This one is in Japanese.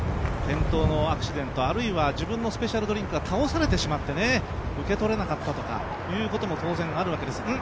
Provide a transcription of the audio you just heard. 転倒のアクシデント、あるいは自分のスペシャルドリンクが倒されてしまって受け取れなかったとかいうことも当然あるわけです。